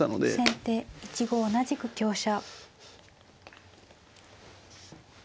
先手１五同じく香車。